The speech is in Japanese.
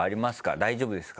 大丈夫ですか？